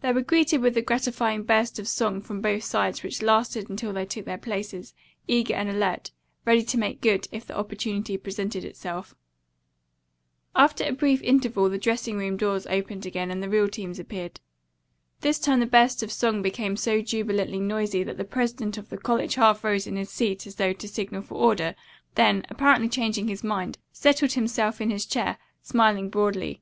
They were greeted with a gratifying burst of song from both sides which lasted until they took their places, eager and alert, ready to make good if the opportunity presented itself. After a brief interval the dressing room doors opened again and the real teams appeared. This time the burst of song became so jubilantly noisy that the president of the college half rose in his seat as though to signal for order, then, apparently changing his mind, settled himself in his chair, smiling broadly.